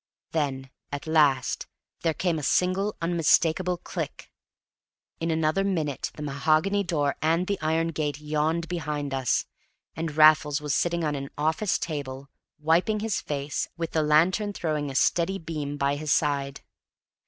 Then at last there came a single unmistakable click. In another minute the mahogany door and the iron gate yawned behind us; and Raffles was sitting on an office table, wiping his face, with the lantern throwing a steady beam by his side.